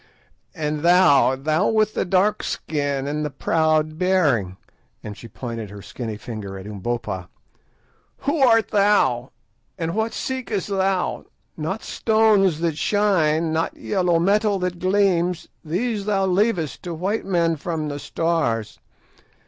_ "And thou, thou with the dark skin and the proud bearing," and she pointed her skinny finger at Umbopa, "who art thou, and what seekest thou? Not stones that shine, not yellow metal that gleams, these thou leavest to 'white men from the Stars.